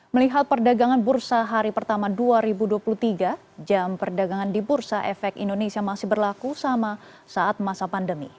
melihat perdagangan bursa hari pertama dua ribu dua puluh tiga jam perdagangan di bursa efek indonesia masih berlaku sama saat masa pandemi